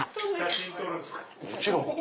もちろん。